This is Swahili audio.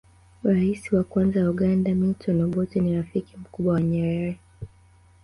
rais wa kwanza wa uganda milton obotte ni rafiki mkubwa wa nyerere